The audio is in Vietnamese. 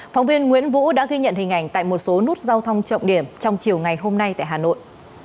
phóng viên nguyễn vũ đã ghi nhận hình ảnh tại một số nút giao thông trọng điểm trong chiều ngày hôm nay tại hà nội